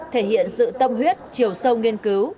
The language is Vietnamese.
thể hiện sự tâm huyết chiều sâu nghiên cứu